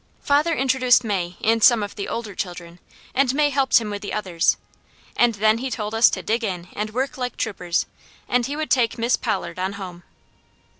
Father introduced May and some of the older children, and May helped him with the others, and then he told us to "dig in and work like troopers," and he would take Miss Pollard on home.